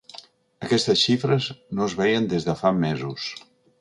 Aquestes xifres no es veien des de fa mesos.